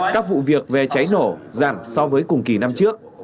các vụ việc về cháy nổ giảm so với cùng kỳ năm trước